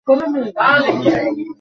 চলো, সকালে খুঁজব ওটাকে।